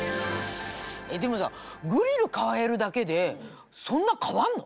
でもさグリル替えるだけでそんな変わんの？